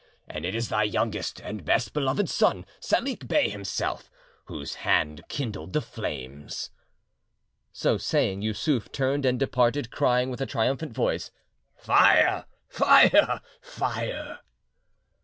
And it is thy youngest and best beloved son, Salik Bey himself, whose hand kindled the flames!" So saying; Yussuf turned and departed, crying with a triumphant voice, "Fire! fire! fire!"